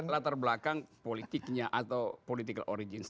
iya itu latar belakang politiknya atau political origins